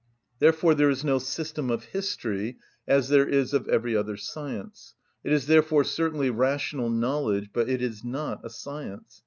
Therefore there is no system of history, as there is of every other science. It is therefore certainly rational knowledge, but it is not a science.